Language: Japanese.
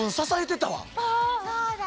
そうだ！